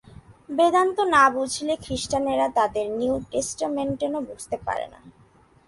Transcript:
বেদান্ত না বুঝলে খ্রীষ্টানেরা তাদের নিউ টেষ্টামেণ্টও বুঝতে পারে না।